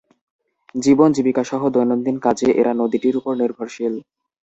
জীবন-জীবিকাসহ দৈনন্দিন কাজে এরা নদীটির ওপর নির্ভরশীল।